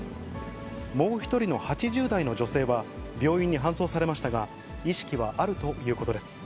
もう１人の８０代の女性は、病院に搬送されましたが、意識はあるということです。